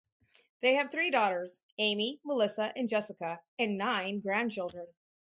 They have three daughters, Amy, Melissa and Jessica and nine grandchildren.